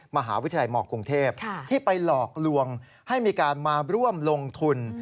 มหาวิทยาลัยหมอกรุงเทพที่ไปหลอกลวงให้มีการมาร่วมลงทุน